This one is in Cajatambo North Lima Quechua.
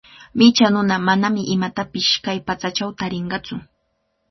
Micha nuna manami imatapish kay patsachaw tarinqatsu.